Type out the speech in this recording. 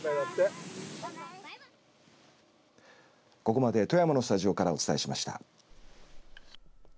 ここまで富山のスタジオからお伝えしました。